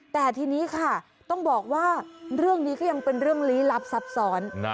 แต่ทีนี้ค่ะต้องบอกว่าเรื่องนี้ก็ยังเป็นเรื่องลี้ลับซับซ้อน